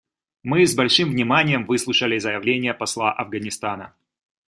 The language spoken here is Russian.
Мы с большим вниманием выслушали заявление посла Афганистана.